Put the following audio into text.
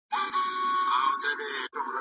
احمد شاه ابدالي څنګه د جګړې وروسته پريکړې کولي؟